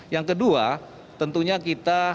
yang kedua tentunya kita